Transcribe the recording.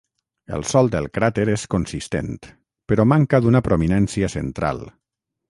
El sòl del cràter és consistent, però manca d'una prominència central.